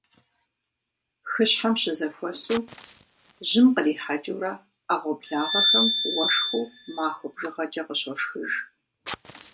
Хыщхьэм щызэхуэсу, жьым кърихьэкӀыурэ Ӏэгъуэблагъэхэм уэшхыу махуэ бжыгъэкӀэ къыщошхыж.